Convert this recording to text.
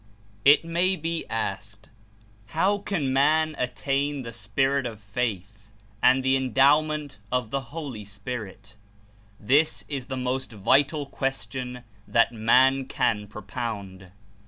'' It may be asked, How can man attain the Spirit of Faith and the endowment of the Holy Spirit? This is the most vital question that man can propound.